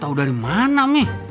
tau dari mana mi